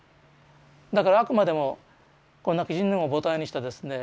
だからあくまでもこんな今帰仁を舞台にしたですね